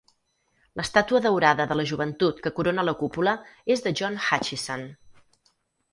L'estàtua daurada de la joventut que corona la cúpula és de John Hutchison.